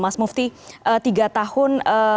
mas mufti tiga tahun